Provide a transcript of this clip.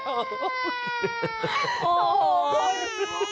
โอ้โห